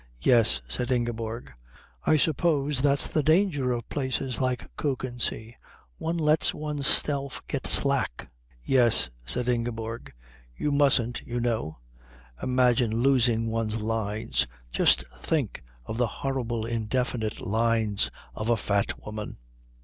"Yes," said Ingeborg. "I suppose that's the danger of places like Kökensee one lets oneself get slack." "Yes," said Ingeborg. "You mustn't, you know. Imagine losing one's lines. Just think of the horrible indefinite lines of a fat woman."